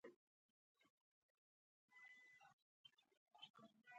ازادي راډیو د طبیعي پېښې په اړه د نړیوالو سازمانونو راپورونه اقتباس کړي.